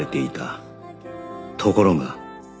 ところが